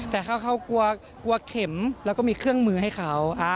แต่ถ้าเขากลัวเข็มแล้วก็มีเครื่องมือให้เขา